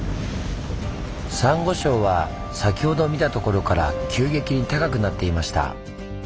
サンゴ礁は先ほど見たところから急激に高くなっていました。